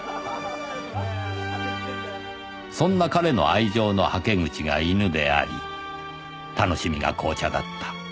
そんな“彼”の愛情の捌け口が犬であり楽しみが紅茶だった